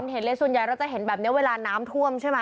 เห็นเลยส่วนใหญ่เราจะเห็นแบบนี้เวลาน้ำท่วมใช่ไหม